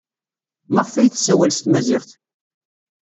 Maɣef ay tessawal s tmaziɣt?